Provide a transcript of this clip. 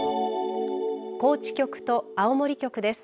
高知局と青森局です。